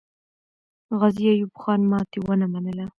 غازي ایوب خان ماتې ونه منله.